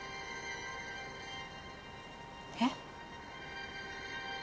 えっ？